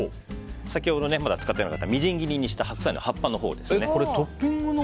先ほど、まだ使っていなかったみじん切りにした白菜の葉っぱのほうです。